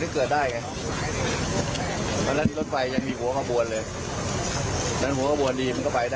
ความรับขอบใจไหม